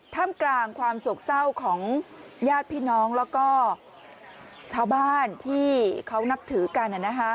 ท่ามกลางความโศกเศร้าของญาติพี่น้องแล้วก็ชาวบ้านที่เขานับถือกัน